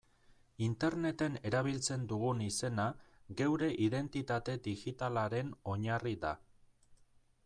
Interneten erabiltzen dugun izena geure identitate digitalaren oinarri da.